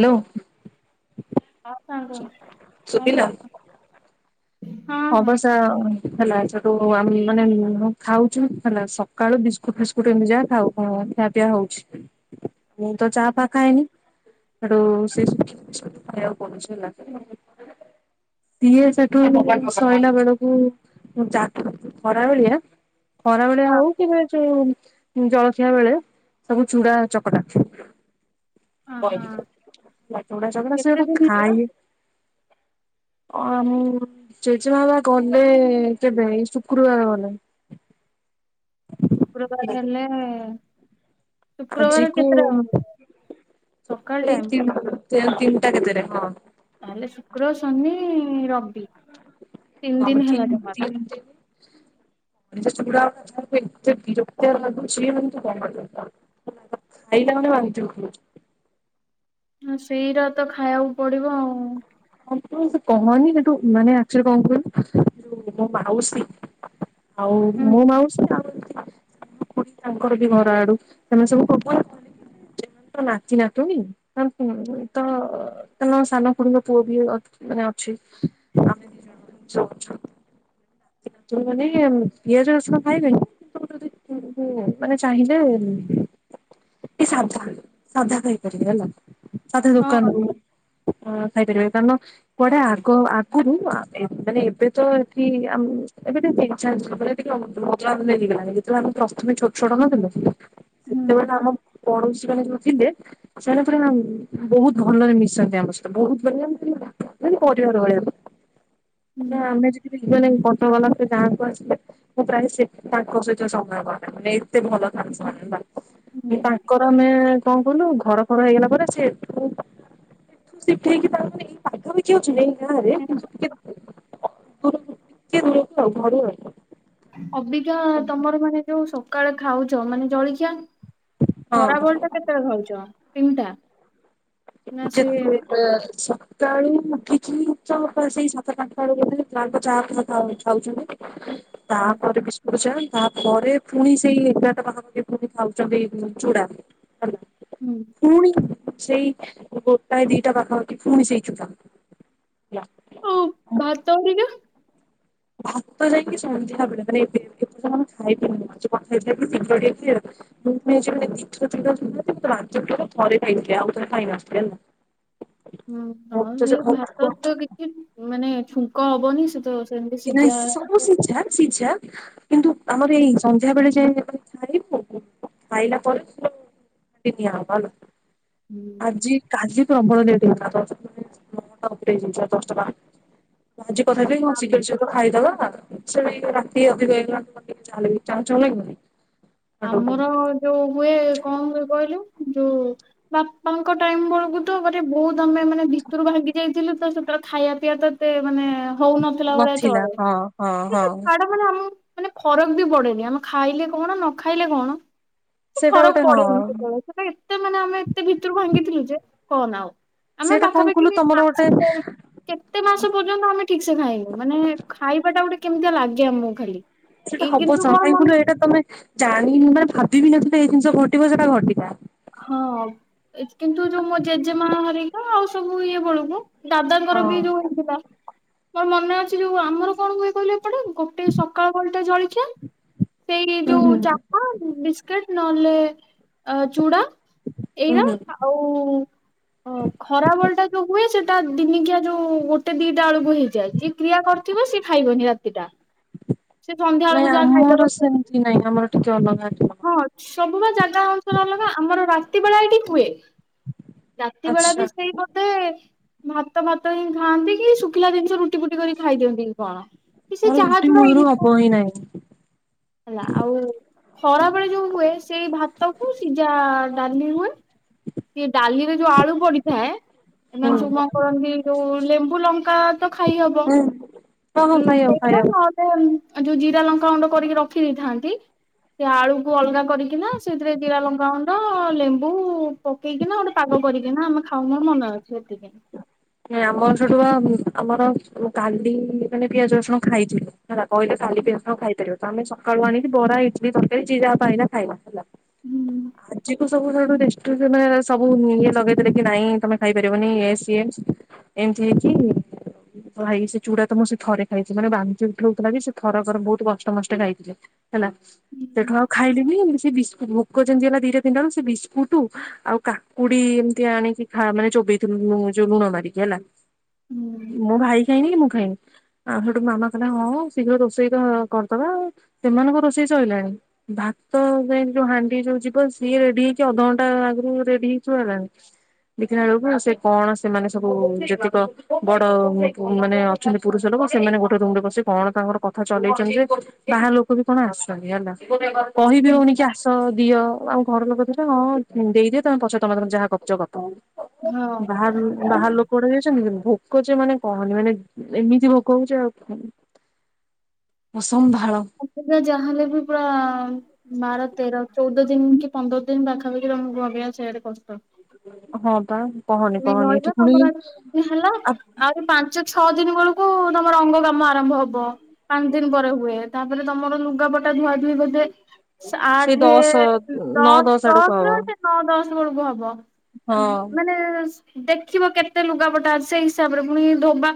Hello ଆସନ୍ତୁ କଣ କରଛ ହବଶ ହେଲା ସେୁ ମାନେ ଖାଉଛୁ ହେଲା ସକାଳୁ ବିସ୍କୁଟ ଫିସ୍କୁଟ ଏମି ଯା ଖାଉ ଖିଆ ପିଆ ହଉଛି ମୁଁ ତ ଚାହା ପାଖଏନି [unintelligible] ଇଏ ସେଠୁ ଶୋଇଲା ବେଳକୁ ଖରା ଯା ବେଳିଆ ଖରାବେଳେଆ ହଁ ହଉ କିବା ଯୋଉ ଜଳଖିଆ ବେଳେ ସବୁ ଚୁଡ଼ା ଚକଟା ହଁ ହଁ ଚୁଡା ଚକଟା କେତେ ସେଟ ଦିନ ହେଲା? ଖାଇ ଅ ମୁଁ ଜେଜେ ବାବା ଗଲେ କେବେ ଏଇ ଶୁକ୍ରବାର ଗଲେ ଶୁକ୍ରବାର ହେଲେ ଆଜି ଶୁକ୍ରବାର କୁ କେତେଟା ହବ ସକାଳ ଟାଇମ୍? ତିନିଟା କେତେରେ ହଁ। ତାହେଲେ ଶୁକ୍ର ଶନି ରବି ତିନି [unintelligible] ଆ ଯୋଉ ଦିନ ହେଲା ଜମାରୁ। ଚୁଡା ଖାଇବାକୁ ଏତେ ବିରକତୀୟ ଲାଗୁଚି ମନେ [unintelligible] ଖାଇଲ ମନେ ବାନ୍ତି ଉଠଉଛି। ସେଇଟା ତ ଖାଇବାକୁ ପଡିବ ଆଉ। ହଁ ମୁଁ ସେ କହନି ସେଠୁ ମାନେ ଆକଚୁଲି କଣ କହିଲୁ ଯଉ ମୋ ମାଉସୀ ଆଉ ହୁଁ ମୋ ମାଉସୀ ଆ ତାଙ୍କର ବି ଘର ଆଡୁ ସେମାନେ ସବୁ [unintelligible] ନାତି, ନାତୁଣି [unintelligible] ସାନ ଖୁଡୀ ଙ୍କ ପୁଅ ବି ମାନେ ଅଛି ଆମେ ଜଣ ମାନେ ପିଆଜ ରସୁଣ ଖାଇବେ କି ଯଦି ମାନେ ଚାହିଁଲେ ସାଧା ସାଧା ଖାଇପାରିବି ହେଲା। ତା ଦେହେ ହଁ ଦୋକାନ ରୁ। ହଁ। ଖାଇପାରିବେ କାରଣ କୁଆଡେ ଆଗ ଆଗରୁ ମାନେ ଏବେ ତ ଏଠି ଏବେ ଟିକ [unintelligible] ନେଇଗଲାଣି ଯେତେବେଳେ ଆମେ ପ୍ରଥମେ ଛୋଟ ଛୋଟ ହେଇ ନ ଥିଲୁ ହୁଁ ସେତେବେଳେ ଆମ ପଡୋଶୀ ମାନେ ଯୋଉ ଥିଲେ ସେମାନେ ପୁରା ବହୁତ ଭଲରେ ମିଶନ୍ତି ଆମ ସହିତ ବହୁତ ପରିବାର ଭଳିଆ ହଁ ହୁଁ ଆମେ ଯେତିକି ଫଟୋ ବାଲା ସେ ଯାହାକୁ ଆସିଲେ ମୁଁ ପ୍ରାୟ ତାଙ୍କ ସହିତ ସମୟ କଟାଏ ମାନେ ଏତେ ଭଲ ଥାନ୍ତି ସେମାନେ। ହୁଁ ତାଙ୍କର ଆମେ କଣ କଲୁ? ଘର ଫର ହେଇଗଲା ପରେ ସେଠୁ ସିପ କିି ତାଙ୍କର ଏଇ ପାଗ ବି କିଛି ଅଛି ଗାଁ ରେ ହୁଁ। [unintelligible] [unintelligible] ଘରୁ ଆଉ। ଅବିକା ତମର ମାନେ ଯୋଉ ସବ ସକାଳେ ଖାଉଛ ମାନେ ଜଳଖିଆ ଖରାବେଳ ହଁ ଟା କେତେବେଳେ ଖାଉଛ? ତିନଟା? [inaudible] ସକାଳୁ ଉଠିକି କି ଉଞ୍ଚ ସେଇ ସାତ କାଠ ତାଙ୍କ ଚା [inaudible] ହୁଁ ତାପରେ ବିସ୍କୁଟ ଚା ତାପ ପରେ ପୁଣି ସେଇ ଏଗାରଟା ପାଖା ପାଖି ପୁଣି ଖାଉଛନ୍ତି ଉମ୍ ଚୁଡା। ହୁଁ ପୁଣି ସେଇ ଗୋଟା ଦିଟା ପାଖାପାଖି ପୁଣି ସେଇ ଚୁଡ଼ା। ହଉ ଭାତ ହେରିକା ଭାତ ଯାଇକି ସନ୍ଧ୍ୟାବେଳେ [inaudible] ହୁଁ ତ ସେଇ ଭାତ ତ କିଛି ମାନେ ଛୁଙ୍କ ହବନି ସେ ତ ସେମିତି କେ ନାଇ ସିଝା ସବୁ ହବ। ସିଝା ସିଜା କିନ୍ତୁ ଆମର ଏଇ ସନ୍ଧ୍ୟା ବେଳେ ଯେ [unintelligible] ଖାଇବୁ ଖାଇଲା ପରେ [inaudible] ନିଆବ ହେଲା ହୁଁ। ଆଜି କାଲି ପ୍ରବଳ ଲେଟ [inaudible] ଆଜି କଥା ହେଇ ଆ- ଶୀଘ୍ର ଶୀଘ୍ର ଖାଇଦବା ସେ ରାତି ଅଧିକ ହେଇଗଲା [unintelligible] ଚାଉ ଚାଉ ଲାଗିବନି। ଆମର ଯୋଉ ହୁଏ କଣ ହୁଏ କହିଲୁ? ଯୋଉ ବାପାଙ୍କ ଟାଇମ ବେଳକୁ ତ ମଟେ ବହୁତ ଆମେ ମାନେ ଭିତରୁ ଭାଙ୍ଗି ଯାଇଥିଲୁ ତ ସେତେ ଖାଇବା ପିଇବା ତ ଏତେ ମାନେ ହଉନଥିଲା ଭଳିଆ ନଥିଲା ଚଳେ ହଁ ହଁ ହଁ ସେତ ଛାଡ ମାନେ ଆମ ମାନେ ଫରକ ବି ପଡେନି ଆମ ଖାଇଲେ କଣ ନ ଖାଇଲେ କଣ ସେ ସେଇଟା ଫରକ ଗୋଟେ ହଁ ପଡେନି ସେତେବେଳେ ସେ ଏତେ ମାନେ ଆମେ ଏତେ ଭିତରୁ ଭାଙ୍ଗିଥିଲୁ ଯେ କହନା ଆଉ। ଆମେ ସେଇଟା କଣ ପାଖାପାଖି କହିଲୁ ତମର ଗୋଟେ ମାସେ ଏ କେତେ ମାସ ପର୍ଯ୍ୟନ୍ତ ଆମେ ଠିକ ସେ ଖାଇନୁ ମାନେ ଖାଇବା ଟା ଗୋଟେ କେମିତି ଲାଗେ ଆମକୁ ଖାଲି ସେଇଟା ଏଇ ହବ କିନ୍ତୁ ସ ମୋର କାହିଁ ମନ କହିଲୁ ଏଇଟା ତମେ ଯା [unintelligible] ଭାବିବିି ନଥିଲି ଏଇ ଜିନିଷ ଘଟିବ ସେଟା ଘଟିଲା। ହଁ କିନ୍ତୁ ଯୋଉ ମୋ ଜେଜେମା ହେରିକା ଆଉ ସବୁ ଇଏ ବେଳକୁ ହଁ ଦାଦାଙ୍କର ବି ଯୋଉ ହେଇଥିଲା ତୋର ମନେ ଅଛି ଯୋଉ ଆମର କଣ ହୁଏ କହିଲେ ପେ ଗୋଟେ ସକାଳୁ ବଳଟେ ଜଳଖିଆ ସେଇ ଯୋଉ ଚାହା ବିସ୍କେଟ ନହେଲେ ଅ ଚୁଡ଼ା। ଏଇରା ଆଉ ଖରା ବେଳ ଟା ଯୋଉ ହୁଏ ସେ ଟା ଦିନିକିଆ ଯୋଉ ଗୋଟେ ଦିଟା ବେଳକୁ ହେଇଯାଏ ଯିଏ କ୍ରିୟା କରିଥିବ ସିଏ ଖାଇବନି ରାତିଟା ସେ ସନ୍ଧ୍ୟା ବେଳକୁ ନାଇଁ ଯାହା ଖାଇଦବ ଆମର ଖାଇବ ସେମିତି ନାଇଁ ଆମରିକ ହମ [unintelligible] ହଁ ସବୁ ବା ଚା ଆମର ରା େବେଡ଼ ଟ ହୁଏ [inaudible] ରାତି ବେଳା ଆଚ୍ଛା ବି ସେଇ ବୋଧେ ଭାତ ଭାତ ହି ଖାଆନ୍ତି କି ଶୁଖିଲା ଜିନିଷ ରୁଟି ଫୁଟି କରି ଖାଇ ଦିଅନ୍ତି କଣ? କି ସେ ମୋର ଚାହା ରୁଟି ଚୁଡା ମୂଳରୁ ଏମିତି ହବ ହିଁ ନାହିଁ। ହେଲା ଆଉ ଖରାବେଳେ ଯୋଉ ହୁଏ ସେଇ ଭାତ କୁ ସିଝା ଆଳୁ ଡାଲି ହୁଏ ସେି ଡାଲିରେ ଯୋଉ ଆଳୁ ପଡିଥାଏ ଏମାନେ ହୁଁ। ସବୁ କରନ୍ତି ଯୋଉ ଲେମ୍ବୁ, ଲଙ୍କା ତ ଖାଇ ହବ ହୁଁ ହଁ ହଁ ଖାଇହବ ସେଇଟା ଖାଇହବ। ନହେଲେ ଆଉ ଯଉ ଜିରା, ଲଙ୍କା ଗୁଣ୍ଡ କରିକି ର ଖିଥାନ୍ତି ସେ ଆଳୁକୁ ଅଲଗା କରିକିନା ସେଥିରେ ଜିରା, ଲଙ୍କା ଗୁଣ୍ଡ, ଲେମ୍ବୁ ପକେଇକିନା ଗୋଟେ ପାଗ କରିକିନା ଆମେ ଖାଉ ମୋର ମନେ ଅଛି। ଆମର ସେଠୁ ବା ଆମର କାଲି ମାନେ ପିଆଜ, ରସୁଣ ଖାଇଥିଲୁ। ହୁଏତ କାଲିି ପିଆଜ, ରସୁଣ ଖାଇପାରିବ। ତ ଆମେ ସକାଳୁ ଆଣିକି ବରା ଇଟଲିି ତରକାରୀ ଯିଏ ଯାହା ପାଇଲା ଖାଇଲା ହେଲା। ହୁଁ ସବୁୁାନେ [inaudible] ସବୁ ଇଏ ଲଗେଇଥିଲେ କି ନାଇଁ ତମେ ଖାଇପାରିବନି ଏ ଏମିତି ହେଇକି ଭାଇ ସେ ଚୁଡା ତ ମୁଁ ସେ ଥରେ ଖାଇଥିଲି ମାନେ ବାନ୍ତି ଉଠଉଥିଲା କି ସେ ଥରକରେ ବହୁତ କଷ୍ଟ ମଷ୍ଟ ଖାଇଥିଲେ ହେଲା ସେଠୁ ଆଉ ଖାଇଲେନି ସେ ମୁ [inaudible] ଯେମିତି ହେଲା ଦିଟା ତିନିଟା ବେଳକୁ ସେ ବିସ୍କୁଟୁ ଆଉ କାକୁଡି ଏମତି ଆଣିକି ମାନେ ଚୋବେଇଥିଲୁ ଯୋଉ ଲୁଣ ମାରିକି ହେଲା। ହଁ। ମୋ ଭାଇ ଖାଇନି କି ମୁଁ ଖାଇନି ଆଉ ସେଠୁ ମାମା କହିଲେ ହଁ ଶୀଘ୍ର ରୋଷେଇ ତ କରିଦବା ଆଉ ସେମାନଙ୍କ ରୋଷେଇ ସଇଲାଣି। ଭାତ ଯ ଯୋଉ ହାଣ୍ଡି ଯୋଉ ଯିବ ସିଏ ରେଡି ହେଇକି ଅଧଘଣ୍ଟା ଆଗରୁ ରେଡି ହେଇଥିବ ହେଲାଣି ଦେଖିଲା ବେଳକୁ ସେ କଣ ସେମାନେ ସବୁ ଯେତିକ ବଡ ମାନେ ଅଛନ୍ତି ପୁରୁଷ ଲୋକ ସେମାନେ ଗୋଟେ ରୁମ ରେ ବସିିକ କଣ ତାଙ୍କର କଥା ଚଲେଇଛନ୍ତି ଯେ ବାହାର ଲୋକ ବି କଣ ଆସିଛନ୍ତି ହେଲା। କହିବି ହଉନି କି ଆସ ଦିଅ [inaudible] ଆଉ ଘର ଲୋକ ରେ ହଁ ଦେଇଦିଅ ତମେ ପଛ ତମେ ତମେ ଯାହା କରୁଛ କରଦବ। ବାହାର ବାହାର ଲୋକ ଗୋଟେ ଯାଇଛନ୍ତି କିନ୍ତୁ ଭୋକ ହଉଛି ମାନେ କହନି ମାନେ ଏମିତି ଭୋକ ହଉଛି ଆଉ ଅସମ୍ଭାଳ। ଆା ଯାହାଲେ ବି ପୁରା ବାର, ତେର, ଚଉଦ ଦିନ କି ପନ୍ଦର ଦିନ ପାଖାପାଖି ତମ ଘରେଇଆ ସେଇଆଡେ କଷ୍ଟ। ହଁ ପା କହନି କହନି ଏଠି ରହିବା ପୁଣି ତମର ହେଲା ଆ ଆହୁରି ପାଞ୍ଚ ଛଅ ଦିନ ବେଳକୁ ତମର ଅଙ୍ଗ କାମ ଆରମ୍ଭ ହବ ପାଞ୍ଚ ଦିନ ପରେ ହୁଏ। ତାପରେ ତମର ଲୁଗାପଟା ବୋଧେ ସେଇ ଆଠେ, ଦଶ ନଅ ଦଶ, ଆଡକୁ ଦଶ ହବ ର ନଅ, ଦଶ କର ହବ ହଁ [inaudible] ମାନେ ଦେଖିବ କେତେ ଲୁଗାପଟା ସେଇ ହିସାବରେ ପୁଣି ଧୋବା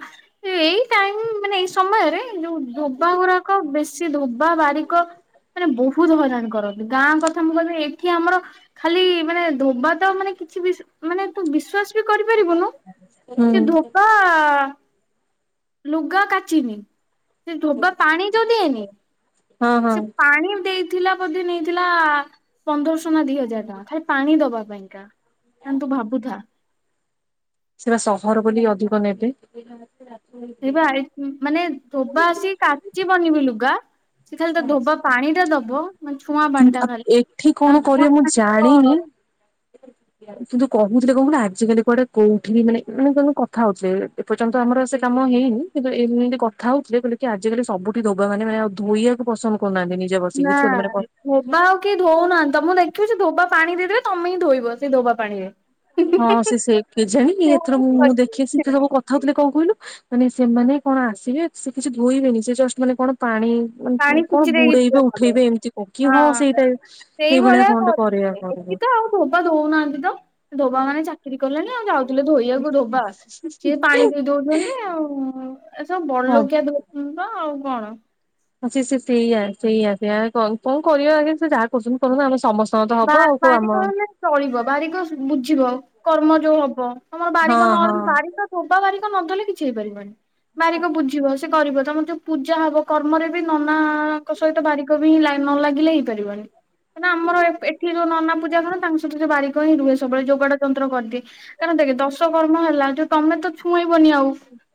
ଏଇ ଟାଇମ ମାନେ ଏଇ ସମୟରେ ଯୋଉ ଧୋବା ଗୁଡାକ ବେଶୀ ଧୋବା ବାରିକ ମାନେ ବହୁତ ହଇରାଣ କରନ୍ତି। ଗାଁ କଥା ମୁଁ କହିବି ଏଇଠି ଆମର ଖାଲି ମାନେ ଧୋବା ତ ମାନେ କିଛି ବି ମାନେ ବିଶ୍ୱାସ ବି କରିବ ପାରିବୁନୁ ହୁଁ ସେ ଧୋକା ଲୁଗା କାଚିନି। ସେ ଧୋବା ପାଣି ଯଉ ଦିଏନି ହଁ ହଁ। ସେ ପାଣି ଦେଇ ଥିଲା ବୋଧେ ନେଇଥିଲା ପନ୍ଦରଶ ନା ଦି ହଜାର ଟଙ୍କା ଖାଲି ପାଣି ଦବା ପାଇଁକା। ମ ତୁ ଭାବୁ ହଁ। ସେପା ସହର ବୋଲି ଅଧିକ ନେବେ। ସେଇ ବା ମାନେ ଧୋବା ଆସିକି କାଚି ବନିବି ଲୁଗା ସେ ଖାଲି ତା ଧୋବା ପାଣି ଟା ଦବ ବୋଉ। କିନ୍ତୁ ଏଠି କଣ କରିବେ ମୁଁ ପାଣିର ଜାଣିନି କିନ୍ତୁ କହୁଥିଲେ କଣ କନି ଆଜିକାଲି କୁଆଡେ କୋଉଠି ବି ମାନେ ମାନେ ତଣୁ କଥା ହଉଥିଲେ ଏପର୍ଯ୍ୟନ୍ତ ଆମର ସେ କାମ ହେଇନି କିନ୍ତୁ ଏମିତି କଥା ହଉଥିଲେ କହିଲେ କି ଆଜିକାଲି ସବୁଠି ଧୋବା ମାନେ ମାନେ ଆଉ ଧୋଇବାକୁ ପସନ୍ଦ କର କହୁନାହାନ୍ତି ନିଜେ ନା ବସିକି ଛି କୁ ମାନେ ଧୋବା ଆଉ କେହି ଧଉନାହାନ୍ତି ତ ମୁଁ ଦେଖିଚି ଧୋବା ପାଣି ଦେଇଦେବେ ତମେ ହିଁ ଧୋଇବ ସେଇ ଧୋବା ପାଣି ରେ। ହଁ ସେ ସେ କେଜାଣି ଏଥର ମୁଁ ମୁଁ ଦେଖିଛି କଥା ହଉଥିଲେ କଣ କୁଅନି। ମାନେ ସେମାନେ କଣ ଆସିବେ ସେ କିଛି ଧୋଇବେନି ସେ ଜଷ୍ଟ ମାନେ କଣ ପାଣି ପାଣି କଣ ଛିଞ୍ଚି ଦେଇକି ଯିବେ ବୁଡେଇବେ ନହେଲେ ଉଠେଇବେ ଏମିତି କ କି କଣ ହଁ ସେଇଟା ସେଇ ଭଳିଆ ସେଇଭଳିଆ କଣ ଟେ କରିବେ କରିବାକୁ ଏଠି ପଡିବ। ତ ଆଉ ଧୋବା ଦଉନାହାନ୍ତି ତ ଧୋବା ମାନେ ଚାକିରି କଲେଣି ଆଉ ଯାଉଥିଲେ ଧୋଇବାକୁ ଧୋବା ସିଏ ପାଣି ଦେଇ ଦଉଛନ୍ତି ଆଉ। ଏ ସବୁ ହଁ ବଡଲୋକିଆ ଦଉଛନ୍ତି ତ ଆଉ କଣ। ଆ ସ ସେଇଆ ସେଇଆ କଣ କରିବା ଆଉ ସେ ଯାହା କରୁଛନ୍ତି କନ ଆମେ ସମସ୍ତେ ବାରିକ ହେଲେ ଚଳିବ ବାରିକ ବୁଝିବ କର୍ମ ଯୋଉ ହବ ତମର ହଁ ବାରିକ ହଁ ନ ବାରିକ ଧୋବା ବାରିକ ନଧେଲେ କିଛି ହେଇପାରିବନି। ବାରିକ ବୁଝିବ। କରିବ ତମ ଯୋଉ ପୂଜା ହବ କର୍ମରେ ବି ନନାଙ୍କ ସହିତ ବାରିକ ବି ହିଁ ନ ଲାଗିଲେ ହେଇପାରିବନି। କାରଣ ଆମର ଏଠି ଯୋଉ ନନା ପୂଜା କରନ୍ତି ତାଙ୍କ ସହିତ ଯୋଉ ବାରିକ ହିଁ ରହେ ସବୁବେଳେ ଯୋଗାଡ ଯନ୍ତ୍ର କରିଦିଏ କାରଣ ଦେଖେ ଦଶ କର୍ମ ହେଲା ଯୋଉ ତମେ ତ ଛୁଇଁବନି ଆଉ।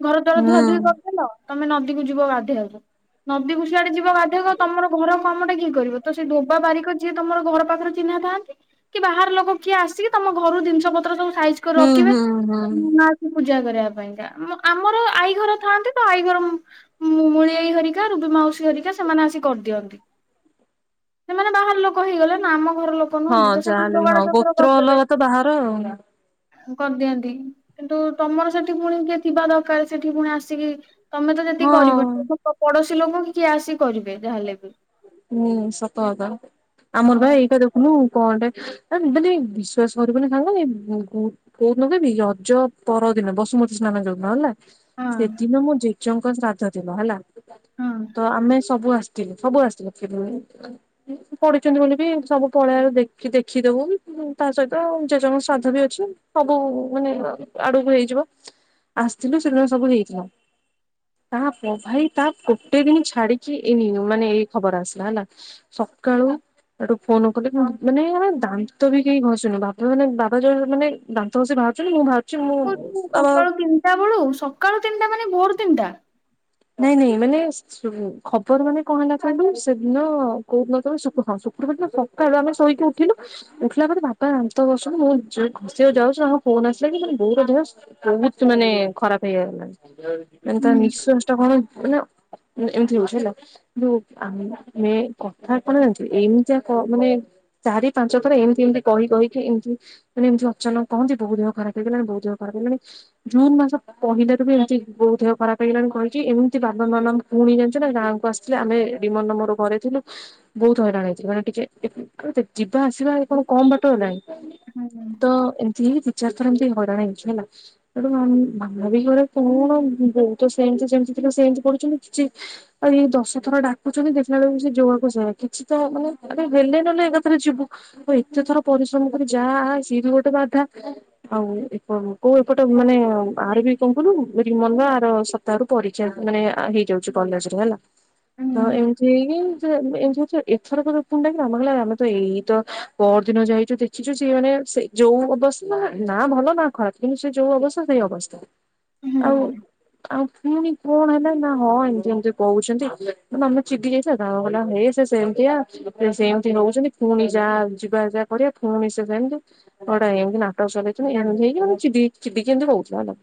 ଘର ଦ୍ୱାର ହୁଁ ଧୁଆଧୁଇ କରିଦେଲ? ତମେ ନଦୀକୁ ଯିବ ଗାଧେଇବାକୁ। ନଦୀ କୁ ସିଆଡେ ଯିବ ଗାଧେଇବାକୁ ଆଉ ତମର ଘର କାମ ଟା ଯିଏ କରିବ ତ ସେ ଧୋବା ବାରିକ ଯିଏ ତମର ଘର ପାଖରେ ଚିହ୍ନା ଥାନ୍ତି କି ବାହାର ଲୋକ କିଏ ଆସିକି ତମ ଘରୁ ଜିନିଷ ପତ୍ର ସବୁ ସାଇଜ କରି ହୁଁ ରଖିବେ ହୁଁ ହୁଁ। ମା ପୂଜା କରିବା ପାଇଁକା ଆମର ଆଈ ଘର ଥାନ୍ତି ତ ଆଈ ଘର ମୂଲେଇ ହରିକା ରୁବି ମାଉସୀ ହରିକା ସେମାନେ ଆସି କରିଦିଅନ୍ତି। ସେମାନେ ବାହାର ଲୋକ ହେଇ ହେଇଗଲେ। ନାଁ ମୁଁ ହଁ ଯାହେଲେ ବି ହଁ ଗୋତ୍ର କରିଦେବେ ଅଲଗା ତ ବାହାର ଆଉ। କରିଦିଅନ୍ତି କିନ୍ତୁ ତମର ସେଠି ପୁଣି କିଏ ଥିବା ଦରକାର ସେଠି ପୁଣି ଆସିକି ତମେ ତ ଯେତିି ହଁ। କରିବନି ଲୋକ ପଡଶୀ କିଛି ଲୋକ କିଏ ଆସି କରିବେ ଯାହାହେଲେ ବି ହୁଁ ସତ କଥା। ଆମର ବା ଆଉ ଏଇଟା ଦେଖୁନୁ କଣ ଟେ ଯଦି ବିଶ୍ଵାସ କରିବୁନି ଖାଇ କୋଉଦିନ ଦେବି ରଜ ପରଦିନ ବସୁମତୀ ସ୍ନାନ ଯୋଉଦିନ ହେଲା। ହଁ ସେଦିନ ମୁଁ ଯ ଜଙ୍କ ଶ୍ରାଦ୍ଧ ଥିବ ହେଲା ହଁ ତ ଆମେ ସବୁ ଆସିଥିଲେ ସବୁ ଆସିଥିଲେ। ପଢିଛନ୍ତି ବୋଲି ବି ସବୁ ପଳେଇଆଇଲୁ ଦେଖି ଦେଖିଦବୁ ତା ସହିତ ଜେଜଙ୍କ ଶ୍ରାଦ୍ଧ ବି ଅଛି ସବୁ ମାନେ ଆଡକୁ ହେଇଯିବ ଆସିଥିଲୁ ସେଦିନ ସବୁ ହେଇଥିଲା ତା ପ ଭାଇ ତା ଗୋଟେ ଦିନ ଛାଡିକି ଏଇନେ ମାନେ ଖବର ଆସିଲା ହେଲା ସକାଳୁ ସେଠୁ ଫୋନ କଲେ ମାନେ ଦାନ୍ତ ବି କେହି ଘଶିନୁ ବାବା ମାନେ ବାବା ଯୋଉ ମାନେ ଦାନ୍ତ ଘସି ବାହାରୁଛନ୍ତି ମୁଁ ବା ସକାଳୁ ତିନିଟା ବେଳୁ ସକାଳୁ ତିନିଟା ମାନେ ଭୋର ତିନ୍ଟା ନାଇଁ ନାଇଁ ମାନେ ଖବର ମାନେ କଣ ହେଲା କହିଲୁ ସେଦିନ କହୁ ଦିନ ତ ହଁ ଶୁକ୍ରବାର ଦିନ ସକାଳୁ ଆମେ ଶୋଇକି ଉଠିଲୁ ଉଠିଲା ପରେ ବାପା ଦାନ୍ତ ଘଷୁଛନ୍ତି ମୁଁ ଯ ଘସିବାକୁ ଯାଉଛି ଆମ ଫୋନ ଆସିଲା କି ମାନେ ବୋଉର ଦେହ ବହୁତ ମାନେ ଖରାପ ହେଇଗଲାଣି ମାନେ ତା ହୁଁ ନିଃଶ୍ୱାସ କଣ ମାନେ ଏମିତି ହଉଛି ହେଲା କି ଯୋଉ ଅମେ କଥା କଣ ଜାଣିଛୁ ଏମିତିଆ କ ମାନେ ଚାରି ପାଞ୍ଚ ଥର ଏମତି ଏମତି କହି କହିକି ଏମତି ମାନେ ଏମିତି ଅଚାନକ କହନ୍ତି ବହୁ ଦେହ ଖରାପ ହେଇଗଲାଣି ବହୁ ଦେହ ଖରାପ ହେଇଗଲାଣି ମାନେ ଜୁନ୍ ମାସ ପହିଲାରୁ ବି ଏମିତି ବୋହୁ ଦେହ ଖରାପ ହେଇଗଲାଣି କହିକି କି ଏମିତି ବାବା ମାମା ମ୍ ପୁଣି ଜାଣିଛ ନା ଗାଁକୁ ଆସିଥିଲେ ଆମେ ଡିମନ ମୋର ଘରେ ଥିଲୁ ବହୁତ ହଇରାଣ ହେଇଥିଲି ମାନେ ଟିକେ ଯିବା ଆସିବା କଣ କମ ବାଟ ହେଲାଣି। ହୁଁ ହୁଁ। ତ ଏମତି ହିଁ। ଦିଚାରଥର ଏମିତି ହଇରାଣ ହେଇଛି ହେଲା ତେଣୁ ମାମା ବି ଘରେ କଣ ବହୁ ତ ସେମିତି ଯେମତି ସେମତି କରୁଛନ୍ତି କିଛି ଆଉ ଇଏ ଦଶ ଥର ଡାକୁଛନ୍ତି ଦେଖିଲା ବେଳେ କୁ ସେ ଯୋଆକୁ ସେୟା କିଛି ତ ମାନେ ହେଲେ ନହେଲେ ଏକାଥରେ ଯିବୁ ଆଉ ଏତେ ଥର ପରିଶ୍ରମ କରି ଯା ଆ ସିଏ ବି ଗୋଟେ ବାଧା ଆଉ ଏ କୋଉ ଏପଟ ମାନେ ଆର ବି କଣ କହିଲୁ ମନ ଆର ସପତାହରୁ ପରୀକ୍ଷା ମାନେ ହେଇଯାଉଛି କଲେଜ ରେ ହେଲା। ତ ହଁ ଏମିତି ହେଇକି ସେ ଏମତି ହଉ ଏଥର ତ ପୁଣି ଡାକିଲା ମାମା କହିଲା ଆମେ ତ ଏଇ ତ ପରଦିନ ଯାଇଇଛୁ ଦେଖିଛୁ ସେ ମାନେ ସେ ଯୋଉ ଅବସ୍ଥା ନା ଭଲ ନା ଖରାପ କିନ୍ତୁ ସେ ଯୋଉ ଅବସ୍ଥା ସେଇ ଅବସ୍ଥାରେ ଆଉ ଆଉ ପୁଣି କଣ ହେଲା ନା ହଁ ଏମତି ଏମିତି କହୁଛନ୍ତି ଆମେ ଚିଡି ଯାଇଥିଲା ତ ହେଲା ହେ ସେ ସେମତିଆ ସେମତି ହଉଛନ୍ତି ପୁଣି ଯା ଯିବା ଯା କରିବା ପୁଣି ସେ ସେମତି ଏମତି ନାଟକ ଚଲେଇଥିଲ ଏମିତି ହେଇକି ମାନେ ଚିଡି ଚିଡ଼ିକି ଏମିତି ହଉଥିଲା ହେଲା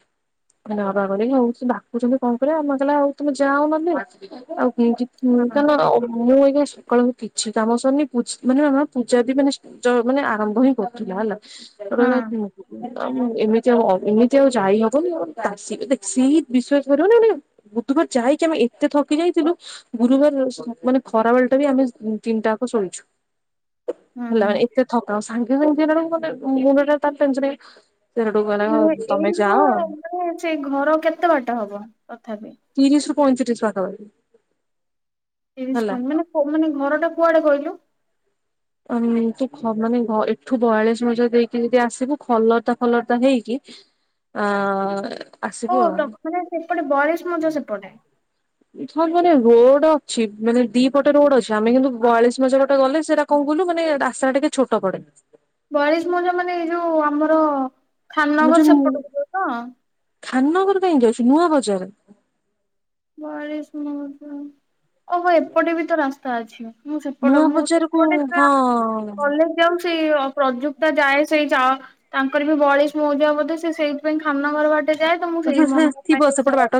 କହିଲା ଅବା ଗଲେଣି ନା ଆଉ କହୁଛନ୍ତି କଣ କରିବା ମତେ କହିଲା ଆଉ ତମେ ଯାଅ ନହେଲେ ଆଉ ଏଇଛି ପୁଣି ହଁ କାରଣ ମୁଁ ଆଜ୍ଞା। ସକାଳଙ୍କୁ କିଛି କାମ ସରିନି ପୂଜ୍ ମାନେ ହଁ ପୂଜା ବି ମାନେ ଯଅ ମାନେ ଆରମ୍ଭ ହିଁ କରୁଥିଲା ହେଲା। ରହିଲା ଆ ମୁଁ ଏମିତି ଆଉ ହ ଏମିତି ଆଉ ଯାଇହବନି ଆଉ ଆସକି ଦେଖି ବିଶ୍ଵାସ କରାନା ମାନେ ବୁଧବାର ଯାଇକି ଆମେ ଏତେ ଥକି ଯାଇଥିଲୁ ଗୁରୁବାର ମାନେ ଖରାବେଳ ଟା ବି ଆମେ ତିନିଟା ଆକ ଶୋଇଛୁ ହେଲା ହଁ ମାନେ ଏତେ ଥକା [unintelligible] ମାନେ ତମେ ଏଇଠୁ ଯାଅ ମାନେ ସେଇ ଘର କେତେ ବା ଟ ହବ ତଥାପି ତିରିଶରୁ ପଇଁତିରିଶ ପାଖାପାଖି। ତିରିଶ ହେଲା ପ ମାନେ ମାନେ ଘରଟା କୁଆଡେ କଇଲୁ? ତୁ ମାନେ ଏଠୁ ବୟାଳିଶ ମଜାର ଦେଇକି ଯଦି ଆସିବୁ ଖଲରଦା ଖଲରଦା ହେଇକି ଆ ଓ ଆସିବୁ ତ ଆଉ। ମାନେ ସେପଟେ ବାୟାଳିଶି ମୌଜା ସେପଟେ। ହଁ ମାନେ ରୋଡ ଅଛି ମାନେ ଦିପଟେ ରୋଡ ଅଛି ଆମେ କିନ୍ତୁ ବୟାଳିଶ ମୌଜା ବାଟେ ଗଲେ ସେଇଟା କଣ କଇଲୁ ମାନେ ରାସ୍ତା ଟା ଟିକେ ଛୋଟ ପଡେ। ବଇଆଳିଶି ମୌଜା ମାନେ ଏଇ ଯୋଉ ଆମର ଖାନନଗର ସେପଟକୁ ତ। ଖାନଗର କାହିଁକି ଆସୁଚି ନୂଆ ବଜାର। ବୟାଳିଶି ମୌଜା। ଓହୋ ଏପଟେ ବି ତ ରାସ୍ତା। ତା ଅଛି। ମୁଁ ସେପଟେ ନୂଆ ମୁଁ ବଜାରକୁ ସେପଟେ ଜା ଆମେ ହଁ କଲେଜ ଯାଉ ସେ ପ୍ରଯୁ ଯାଏ ସେଇ ଯାଅ ତାଙ୍କର ବି ବୟାଳିଶ ମୌଜା ବୋଧ ସେ ସେଇଥିପାଇଁ ଖାନ ନଗର ବା ତେ ଯାଏ ତ ମୁଁ ସେ ସେଇ ସେ ମନ ଥିବ ସେପଟେ [unintelligible] ବାଟ